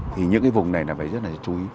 thì những cái vùng này là phải rất là chú ý